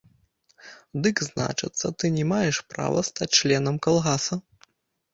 Дык, значыцца, ты не маеш права стаць членам калгаса.